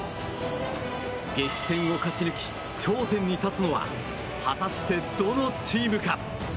激戦を勝ち抜き頂点に立つのは果たしてどのチームか。